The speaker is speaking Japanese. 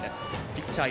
ピッチャー、猪俣。